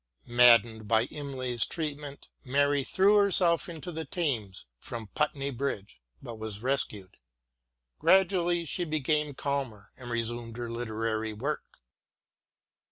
Maddened by Imlay's treatment, Mary threw herself into the Thames from Putney Bridge, but was rescued. Gradually she became calmer and resumed her literary work.